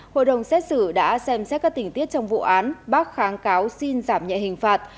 hội đồng xét xử đã xem xét các tình tiết trong vụ án bác kháng cáo xin giảm nhẹ hình phạt